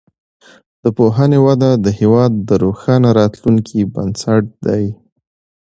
د پوهنې وده د هیواد د روښانه راتلونکي بنسټ دی.